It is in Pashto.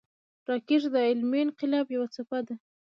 راکټ د علمي انقلاب یوه څپه ده